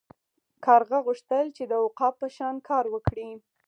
کارغه غوښتل چې د عقاب په شان کار وکړي.